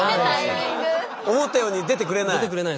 思ったように出てくれない？